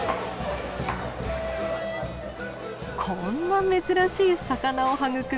こんな珍しい魚を育む